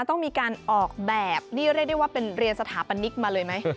ต้องมีการออกแบบนี่เรียกได้ว่าเป็นเรียนสถาปนิกมาเลยไหม